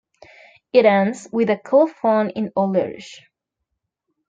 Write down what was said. It ends with a colophon in Old Irish.